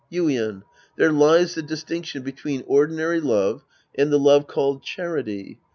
Yuien. There lies the distinction between ordinary love and the love called charity.